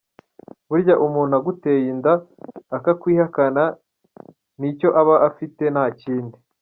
Burya umuntu aguteye inda akakwihakana, nicyo aba afite nta kindi.